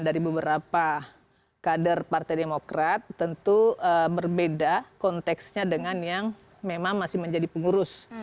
dari beberapa kader partai demokrat tentu berbeda konteksnya dengan yang memang masih menjadi pengurus